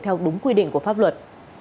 theo đúng quy định của pháp luật